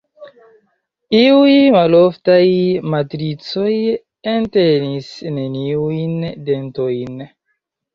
Iuj maloftaj matricoj entenis neniujn dentojn.